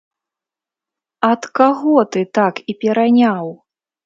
Ад каго ты так і пераняў?!